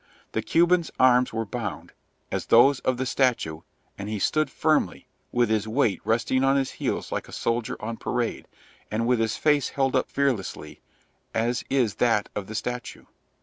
The Cuban's arms were bound, as are those of the statue, and he stood firmly, with his weight resting on his heels like a soldier on parade, and with his face held up fearlessly, as is that of the statue.